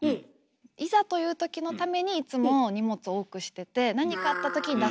いざというときのためにいつも荷物多くしてて何かあったとき出せるように。